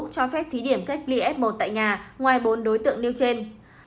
cho phép thí điểm cách ly f một tại nhà ngoài bốn đối tượng nêu trên